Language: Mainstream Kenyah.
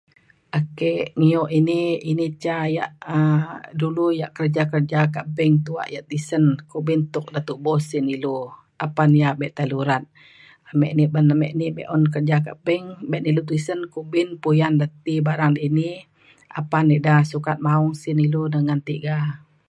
ake ngio ini ini ca yak um dulu yak kerja kerja kak bank tuak yak tisen kumbin tuk de tubo sin ilu apan ia’ abe tai lurat. ame ni ban ame ni be’un kerja kak bank be na ilu tisen kumbin puyan da ti barang ini apan ida sukat maong sin ilu ne ngan tiga